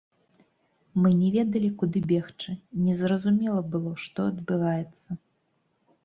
Мы не ведалі, куды бегчы, не зразумела было, што адбываецца.